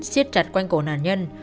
xích chặt quanh cổ nạn nhân